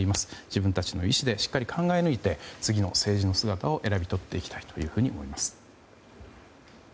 自分たちの意思でしっかり考え抜いて次の政治の姿を選び抜いていきたいと思います。